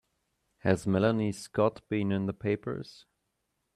Has Melanie Scott been in the papers?